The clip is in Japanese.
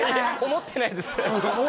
思ってないです